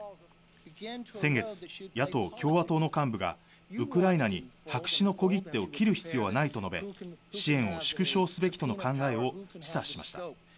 先月、野党・共和党の幹部がウクライナに白紙の小切手を切る必要はないと述べ、支援を縮小すべきとの考えを示唆しました。